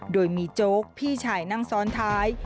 โดยมีโจ๊กพี่ชายนั่งซ้อนท้าย